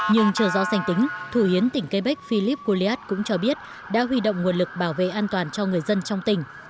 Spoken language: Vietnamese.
nhưng trở ra danh tính thủ hiến tỉnh quebec philip goliath cũng cho biết đã huy động nguồn lực bảo vệ an toàn cho người dân trong tỉnh